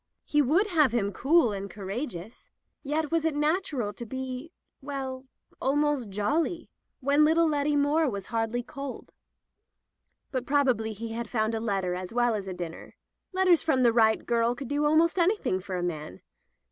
He would have him cool and coura [ 399 ] Digitized by LjOOQ IC Interventions geous; yet, was it natural to be— well — almost jolly, when little Letty Moore was hardly cold ? But probably he had found a letter as well as a dinner. Letters from the right girl could do almost anything for a man.